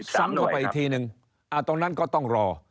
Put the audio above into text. ซ้ำเข้าไปอีกทีนึงตรงนั้นก็ต้องรอ